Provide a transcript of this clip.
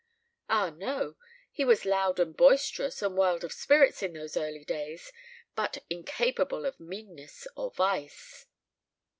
Ah, no! He was loud and boisterous and wild of spirits in those early days, but incapable of meanness or vice.